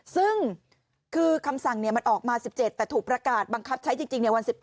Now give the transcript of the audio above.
ซึ่งคือคำสั่งมันออกมา๑๗แต่ถูกประกาศบังคับใช้จริงวัน๑๘